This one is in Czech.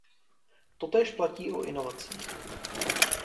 Totéž platí o inovacích.